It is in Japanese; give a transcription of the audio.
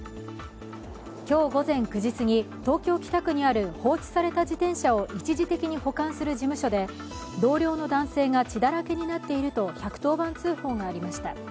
今日午前９時すぎ東京・北区にある放置された自転車を一時的に保管する事務所で同僚の男性が血だらけになっていると１１０番通報がありました。